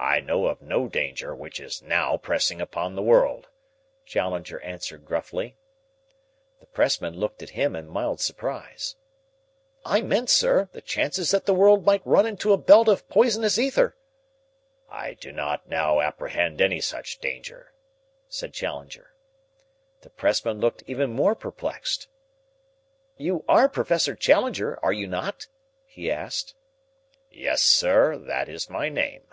"I know of no danger which is now pressing upon the world," Challenger answered gruffly. The pressman looked at him in mild surprise. "I meant, sir, the chances that the world might run into a belt of poisonous ether." "I do not now apprehend any such danger," said Challenger. The pressman looked even more perplexed. "You are Professor Challenger, are you not?" he asked. "Yes, sir; that is my name."